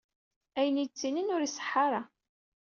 Ayen ay d-ttinin ur iṣeḥḥa ara.